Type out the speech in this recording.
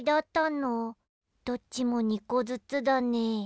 どっちも２こずつだね。